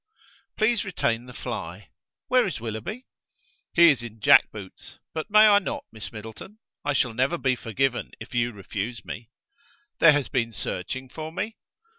"Please retain the fly. Where is Willoughby?" "He is in jack boots. But may I not, Miss Middleton? I shall never be forgiven if you refuse me." "There has been searching for me?"